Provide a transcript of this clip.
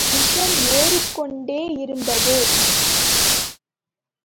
விஷம் ஏறிக் கொண்டேயிருந்தது.